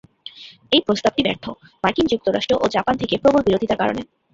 এই প্রস্তাবটি ব্যর্থ, মার্কিন যুক্তরাষ্ট্র ও জাপান থেকে প্রবল বিরোধিতার কারণে।